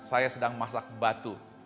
saya sedang masak batu